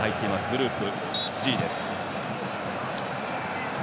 グループＧです。